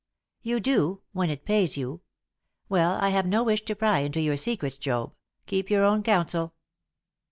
"You do when it pays you. Well, I have no wish to pry into your secrets, Job. Keep your own counsel."